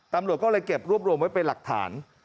ตำรวจก็เลยเก็บรวบรวมไว้เป็นหลักฐาน